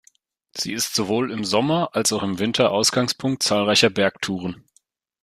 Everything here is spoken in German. Sie ist sowohl im Sommer, als auch im Winter Ausgangspunkt zahlreicher Bergtouren.